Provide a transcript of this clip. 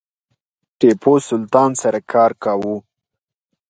ټیپو سلطان سره کار کاوه.